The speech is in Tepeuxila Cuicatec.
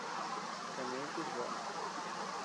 Kane kuch baʼa.